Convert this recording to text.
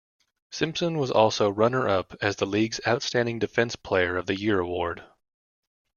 Simpson was also runner-up as the league's Outstanding Defensive Player of the Year Award.